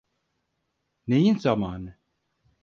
Neyin zamanı?